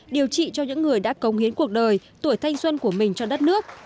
điều trị cho những người đã công hiến cuộc đời tuổi thanh xuân của mình cho đất nước